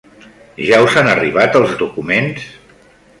Ja us han arribat els documents?